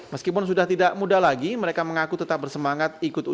meskipun sudah tidak muda lagi mereka mengaku tetap bersemangat ikut uji